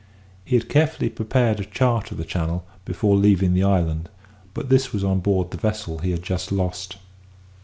He had carefully prepared a chart of the channel before leaving the island; but this was on board the vessel he had just lost.